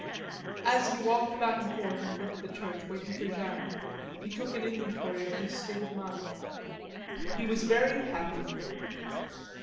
As he walked back and forth in front of the church waiting for Jeanne, he took an inventory of his state of mind; he was very happy.